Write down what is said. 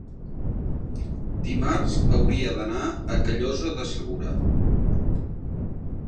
Dimarts hauria d'anar a Callosa de Segura.